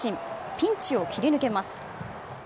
ピンチを切り抜けます。